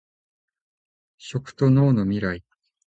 食と農のミライ